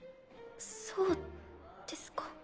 そうですか。